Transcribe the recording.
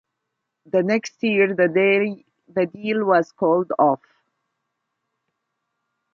The next year the deal was called off.